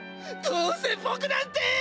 どうせぼくなんて！